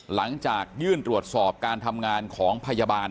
หลังจากยื่นตรวจสอบการทำงานของพยาบาล